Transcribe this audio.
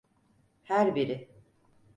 Her biri.